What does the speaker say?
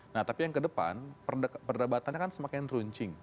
nah tapi yang ke depan perdebatannya kan semakin runcing